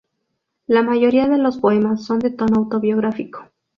La mayoría de los poemas son de tono autobiográfico.